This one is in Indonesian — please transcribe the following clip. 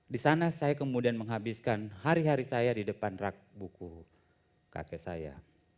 di sana saya kemudian menghabiskan hari hari saya di depan rak buku kakek saya